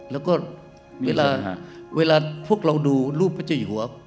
แล้วก็เวลาเวลาพวกเราดูรูปพระเจ้าอยู่หัว